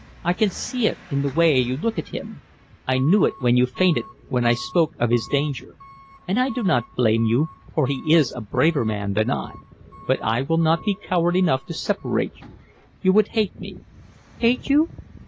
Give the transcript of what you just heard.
I can see it in the way you look at him. I knew it when you fainted when I spoke of his danger. And I do not blame you, for he is a braver man than I. But I will not be coward enough to separate you. You would hate me." "Hate you?"